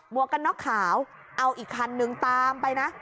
วกกันน็อกขาวเอาอีกคันนึงตามไปนะ